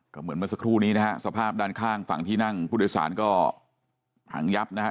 ก็เหมือนเมื่อสักครู่นี้นะฮะสภาพด้านข้างฝั่งที่นั่งผู้โดยสารก็พังยับนะฮะ